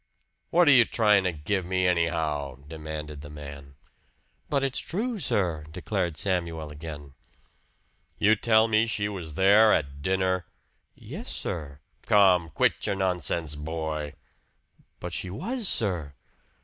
"What're you tryin' to give me, anyhow?" demanded the man. "But it's true, sir!" declared Samuel again. "You tell me she was there at dinner?" "Yes, sir!" "Come! Quit your nonsense, boy!" "But she was, sir!"